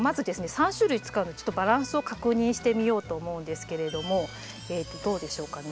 ３種類使うのでちょっとバランスを確認してみようと思うんですけれどもどうでしょうかね。